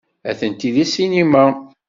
Atenti deg ssinima.